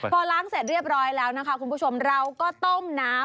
พอล้างเสร็จเรียบร้อยแล้วนะคะคุณผู้ชมเราก็ต้มน้ำ